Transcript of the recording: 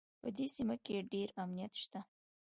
په دې سیمه کې ډېر امنیت شته